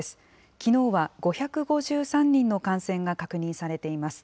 きのうは５５３人の感染が確認されています。